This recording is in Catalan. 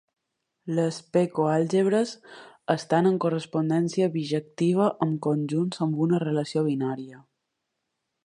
Les "P-coalgebres" estan en correspondència bijectiva amb conjunts amb una relació binària.